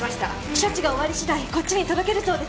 処置が終わり次第こっちに届けるそうです。